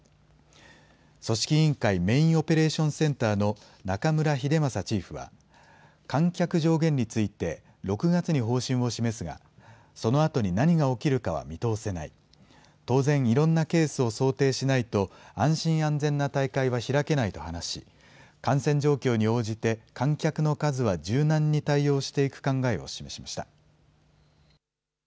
組織委員会メインオペレーションセンターの中村英正チーフは、観客上限について、６月に方針を示すが、そのあとに何が起きるかは見通せない。当然、いろんなケースを想定しないと、安心安全な大会は開けないと話し、感染状況に応じて観客の数は柔軟に対応していく考えを示しました。